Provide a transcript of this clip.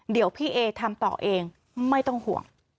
เดี๋ยวพี่เอทำต่อเองไม่ต้องห่วง